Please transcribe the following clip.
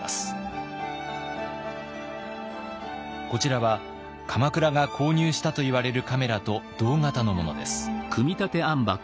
こちらは鎌倉が購入したといわれるカメラと同型のものです。